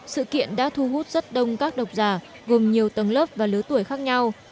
sự kiện đã thu hút rất đông các độc giả gồm nhiều tầng lớp và lứa tuổi khác nhau